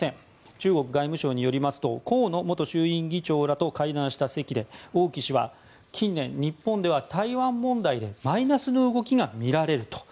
中国外務省によりますと河野元衆院議長らと会談した席で王毅氏は近年、日本では台湾問題でマイナスの動きが見られると。